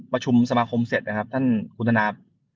ประชุมสมาคมเสร็จนะครับท่านคุณธนา